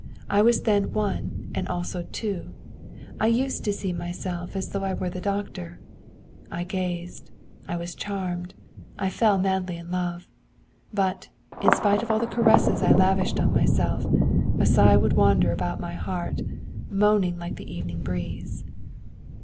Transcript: I was then one and also two. I used to see myself as though I were the doctor; I gazed, I was charmed, I fell madly in love. But, in spite of all the caresses I lavished on myself, a sigh would wander about my heart, moaning like the evening breeze.